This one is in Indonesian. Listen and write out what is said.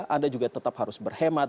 anda juga tetap harus berhemat